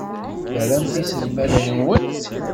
Tramt iselmaden-nwent?